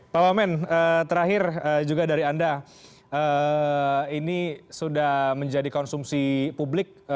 pak wamen terakhir juga dari anda ini sudah menjadi konsumsi publik